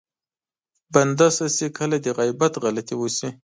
بنده نه چې کله د غيبت غلطي وشي.